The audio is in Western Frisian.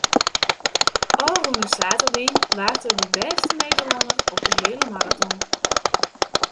Ofrûne saterdei waard er de bêste Nederlanner op de heale maraton.